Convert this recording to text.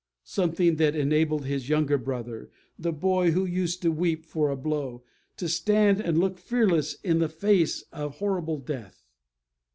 Something that enabled his young brother the boy who used to weep for a blow to stand and look fearless in the face of a horrible death.